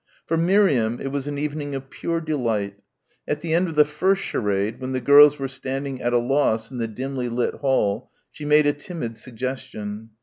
For Miriam it was an evening of pure delight. At the end of the first charade, when the girls were standing at a loss in the dimly lit hall, she made a timid suggestion.